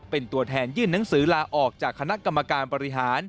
เป็นตัวแทนยื่นหนังสือลาออกจากคณะกรรมการบริหาร